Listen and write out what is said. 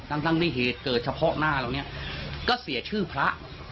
ทั้งที่เหตุเกิดเฉพาะหน้าเหล่านี้ก็เสียชื่อพระ